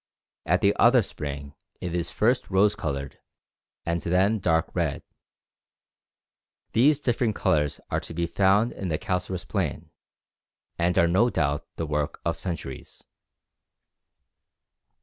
At the other spring it is first rose coloured, and then dark red. These different colours are to be found in the calcareous plain, and are no doubt the work of centuries.